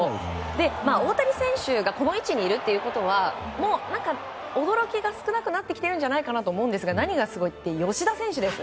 大谷選手がこの位置にいるということはもう、驚きが少なくなってきているんじゃないかなと思うんですが何がすごいって吉田選手です。